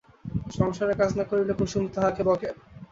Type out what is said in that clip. সংসারের কাজ না করিলে কুসুম তাহাকে বকে।